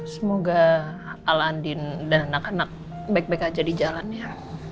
semoga al andin dan anak anak baik baik aja di jalannya